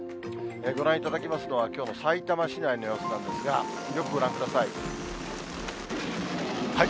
ご覧いただきますのは、きょうのさいたま市内の様子なんですが、よくご覧ください。